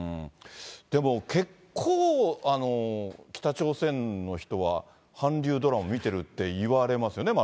でも、結構、北朝鮮の人は韓流ドラマ見てるって言われますよ